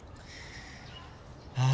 あ